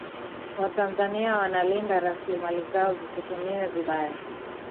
watanzania wanalinda rasilimali zao zisitumiwe vibaya